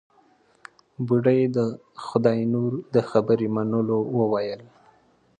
بوډۍ د خداينور د خبرې منلو وويل.